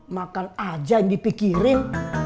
makan aja yang dipikirin